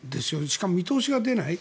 しかも見通しが出ない。